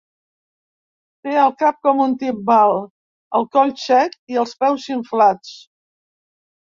Té el cap com un timbal, el coll sec i els peus inflats.